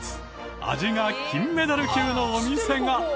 味が金メダル級のお店が。